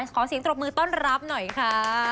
ขอเสียงตรบมือต้อนรับหน่อยค่ะ